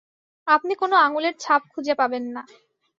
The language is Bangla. আপনি কোনও আঙুলের ছাপ খুঁজে পাবেন না।